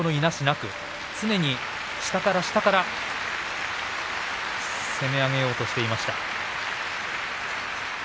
貴景勝、常に下から下から攻め上げようとしていました。